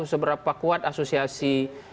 seberapa kuat asosiasi